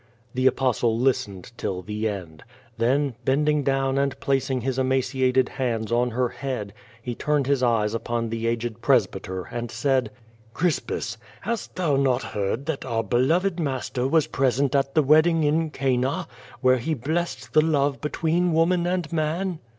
The Apostle listened till the end. Then, bending down and placing his emaciated hands on her head, he turned his eyes upon the aged presbyter, and said: "Crispus, hast thou not heard that our beloved Master was present at the wedding in Cana, where he blessed the love between woman and man?"